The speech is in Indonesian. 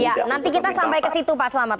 ya nanti kita sampai ke situ pak selamat